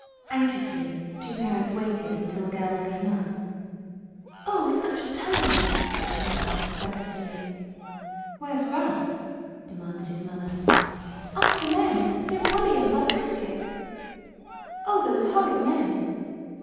Anxiously the two parents waited until the girls came up. "Oh, such a time!" cried Alice, breathlessly. "Where's Russ?" demanded his mother. "After the men Simp Wolley and Bud Brisket!" "Oh, those horrid men!"